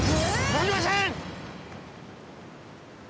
なりません！